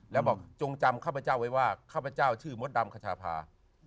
แล้วบอกจงจำข้าพเจ้าไว้ว่าข้าพเจ้าชื่อมดดำขชาพา